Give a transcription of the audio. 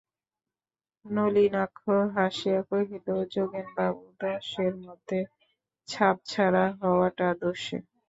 নলিনাক্ষ হাসিয়া কহিল, যোগেনবাবু দশের মধ্যে খাপছাড়া হওয়াটা দোষের।